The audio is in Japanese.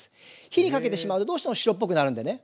火にかけてしまうとどうしても白っぽくなるんでね。